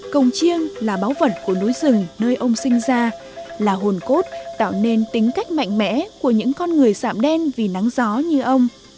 công chiêng là báu vật của núi rừng nơi ông sinh ra là hồn cốt tạo nên tính cách mạnh mẽ của những con người sạm đen vì nắng gió như ông